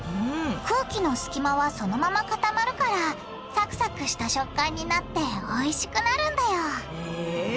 空気の隙間はそのまま固まるからサクサクした食感になっておいしくなるんだよへぇ。